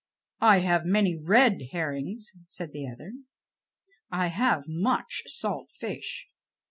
"I have many red herrings," said the other. "I have much salt fish.